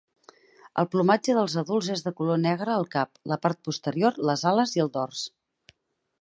El plomatge dels adults és de color negre al cap, la part posterior, les ales i el dors.